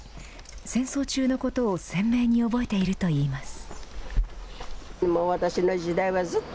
戦争中のことを鮮明に覚えているといいます。